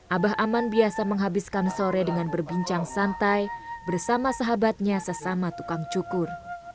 abah aman biasa menghabiskan sore dengan berbincang santai bersama sahabatnya sesama tukang cukur